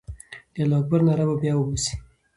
د الله اکبر ناره به بیا وسي.